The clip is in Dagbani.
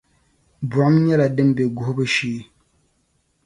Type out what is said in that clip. Buɣum nyɛla din be guhibu shee.